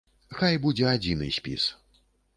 Хай будзе адзіны спіс.